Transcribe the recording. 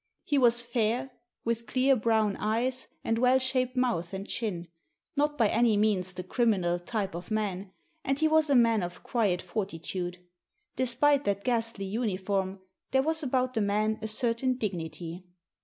He was fair, with clear brown eyes, and well shaped mouth and chin, not by any means the criminal type of man, and he was a man of quiet fortitude. Despite that ghastly uniform, there was about the man a certain dignity.